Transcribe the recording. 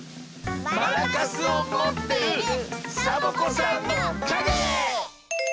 マラカスをもっているサボ子さんのかげ！